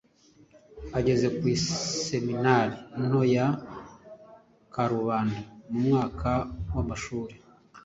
Ageze ku iseminari nto ya Karubanda mu mwaka w'amashuri